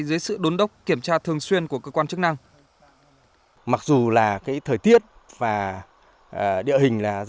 dưới sự đốn đốc kiểm tra thường xuyên của cơ quan chức năng